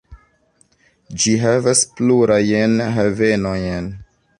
Ĝi havas plurajn havenojn.